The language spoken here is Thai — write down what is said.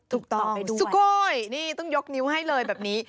ถูกต้องสุโกยนี่ต้องยกนิ้วให้เลยแบบนี้